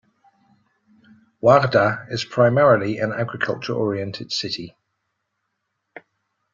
Wardha is primarily an agriculture oriented city.